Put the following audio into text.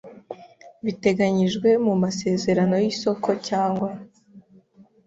biteganyijwe mu masezerano y isoko cyangwa